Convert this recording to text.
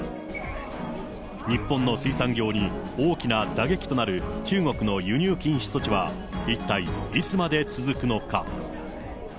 日本の水産業に大きな打撃となる中国の輸入禁止措置は、一体いつまで続くのか。